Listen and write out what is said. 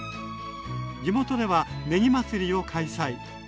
地元では「ねぎまつり」を開催。